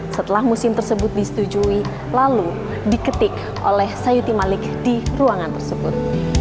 setelah musim tersebut disetujui lalu diketik oleh sayuti malik di ruangan tersebut